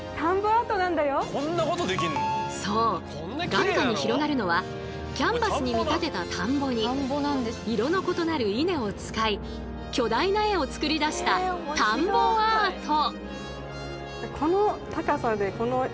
眼下に広がるのはキャンバスに見立てたたんぼに色の異なる稲を使い巨大な絵を作り出したたんぼアート。